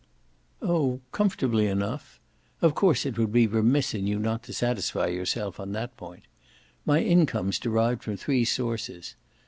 "Oh comfortably enough. Of course it would be remiss in you not to satisfy yourself on that point. My income's derived from three sources.